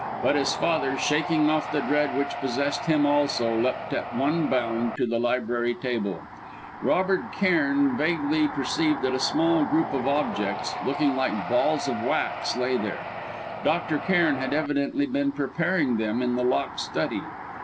But his father, shaking off the dread which possessed him also, leapt at one bound to the library table. Robert Cairn vaguely perceived that a small group of objects, looking like balls of wax, lay there. Dr. Cairn had evidently been preparing them in the locked study.